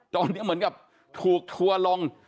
ตอนนี้เหมือนกับถูกทัวร์ลง